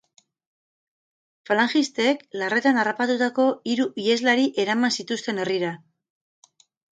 Falangistek larretan harrapatutako hiru iheslari eraman zituzten herrira.